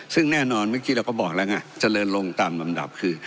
ซึ่งแน่นอนเมื่อกี้เราก็บอกแล้วไงเจริญลงตามลำดับคือ